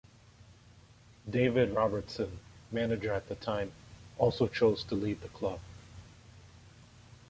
David Robertson, manager at the time, also chose to leave the club.